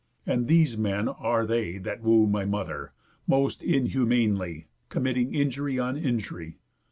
And these men are they That woo my mother, most inhumanly Committing injury on injury.